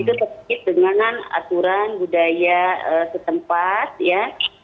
itu terkait dengan aturan budaya setempat ya